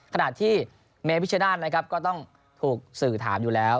ขณะที่เมพิชนานนะครับก็ต้องถูกสื่อถามอยู่แล้ว